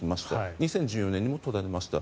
２０１４年にも取られました。